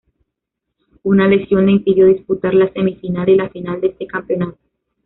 Una lesión le impidió disputar la semi-final y la final de este campeonato.